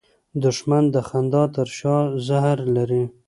دښمن د خندا تر شا زهر لري